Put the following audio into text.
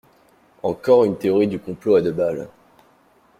Encore une théorie du complot à deux balles.